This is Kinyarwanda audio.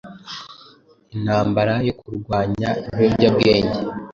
Intambara yo kurwanya ibiyobyabwenge